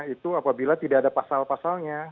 itu apabila tidak ada pasal pasalnya